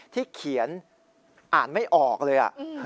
ที่เขียนอ่านไม่ออกเลย